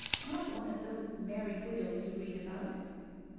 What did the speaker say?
Not one of those merry widows you read about."